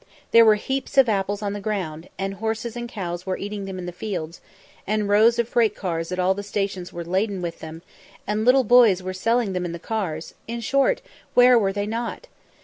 There were heaps of apples on the ground, and horses and cows were eating them in the fields, and rows of freight cars at all the stations were laden with them, and little boys were selling them in the cars; in short, where were they not?